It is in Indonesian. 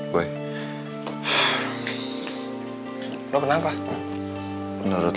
wah lu pulang gak kak